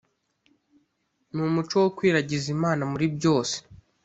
n’umuco wo kwiragiza Imana muri byose